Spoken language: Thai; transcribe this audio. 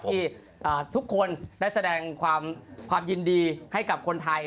ที่ทุกคนได้แสดงความยินดีให้กับคนไทย